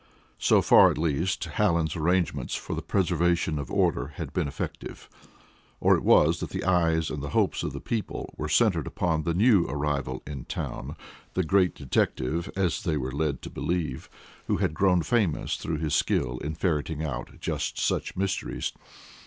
So far, at least, Hallen's arrangements for the preservation of order had been effective. Or was it that the eyes and hopes of the people were centred upon the new arrival in town, the great detective as they were led to believe who had grown famous through his skill in ferreting out just such mysteries.